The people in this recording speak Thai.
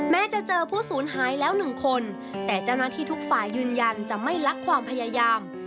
แม้จะเจอผู้สูญหายแล้วหนึ่งคนแต่เจ้าหน้าที่ทุกฝ่ายยืนยันจะไม่ลักความพยายาม